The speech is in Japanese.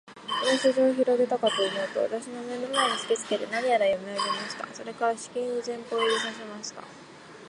その書状をひろげたかとおもうと、私の眼の前に突きつけて、何やら読み上げました。それから、しきりに前方を指さしました。